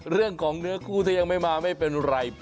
เรื่องของเนื้อคู่ที่ยังไม่มาไม่เป็นไร